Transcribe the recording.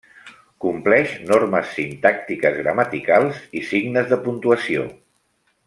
Compleix normes sintàctiques, gramaticals, i signes de puntuació.